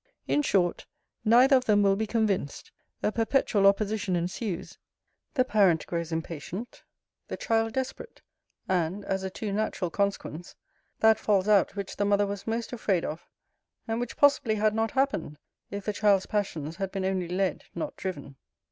In short, neither of them will be convinced: a perpetual opposition ensues: the parent grows impatient; the child desperate: and, as a too natural consequence, that falls out which the mother was most afraid of, and which possibly had not happened, if the child's passions had been only led, not driven.'